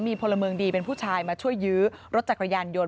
มีพลเมืองดีเป็นผู้ชายมาช่วยยื้อรถจักรยานยนต